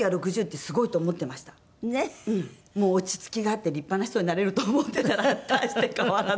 もう落ち着きがあって立派な人になれると思ってたら大して変わらない。